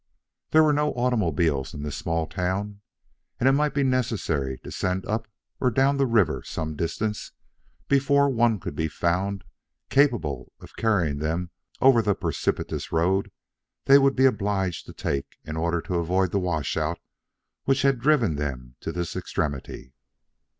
There were no automobiles in this small town, and it might be necessary to send up or down the river some distance before one could be found capable of carrying them over the precipitous road they would be obliged to take in order to avoid the washout which had driven them to this extremity.